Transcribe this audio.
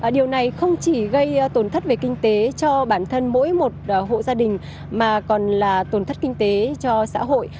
điều này không chỉ gây tổn thất về kinh tế cho bản thân mỗi một hộ gia đình mà còn là tổn thất kinh tế cho xã hội